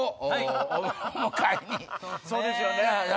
そうですよね。